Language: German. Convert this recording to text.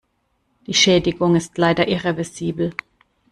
Die Schädigung ist leider irreversibel.